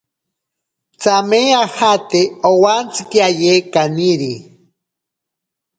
Tsame ajate owantsikiaye kaniri.